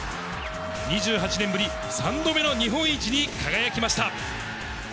２８年ぶり３度目の日本一に輝きました。